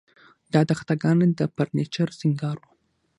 دا تخته ګانې د فرنیچر سینګار و